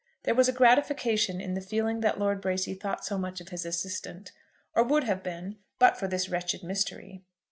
There was a gratification in the feeling that Lord Bracy thought so much of his assistant, or would have been but for this wretched mystery!